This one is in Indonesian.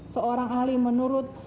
seorang ahli menurut